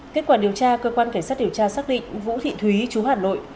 kết quả điều tra cơ quan cảnh sát điều tra xác định vũ thị thúy chú hà nội